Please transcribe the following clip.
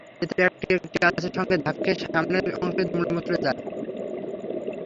এতে ট্রাকটি একটি গাছের সঙ্গে ধাক্কা খেয়ে সামনের অংশ দুমড়েমুচড়ে যায়।